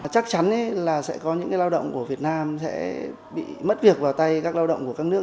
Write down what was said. chắc chắn là sẽ có những lao động của việt nam sẽ bị mất việc vào tay các lao động của các nước